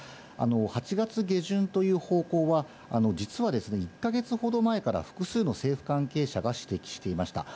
８月下旬という方向は、実は１か月ほど前から複数の政府関係者が指摘していました。